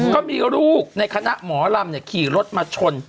ก็มีลูกในคณะหมอลำขี่รถมาชน